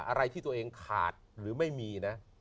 อะไรที่ตัวเองขาดหรือไม่มีนะ